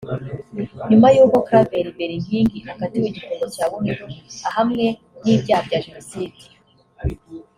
nyuma y’uko Claver Berinkindi akatiwe igifungo cya burundu ahamwe n’ibyaha bya Jenoside